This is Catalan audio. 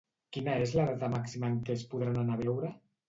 Quina és la data màxima en què es podran anar a veure?